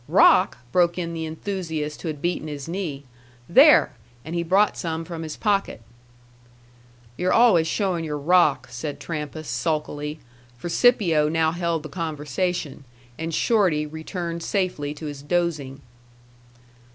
"Rock?" broke in the enthusiast who had beaten his knee. "There!" And he brought some from his pocket. "You're always showing your rock," said Trampas, sulkily; for Scipio now held the conversation, and Shorty returned safely to his dozing.